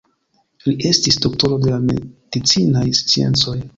Li estis doktoro de la medicinaj sciencoj.